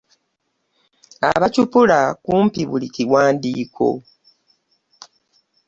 Abacupula kumpi buli kiwandiiko